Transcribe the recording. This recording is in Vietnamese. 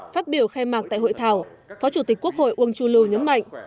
phát biểu khai mạc tại hội thảo phó chủ tịch quốc hội uông chu lưu nhấn mạnh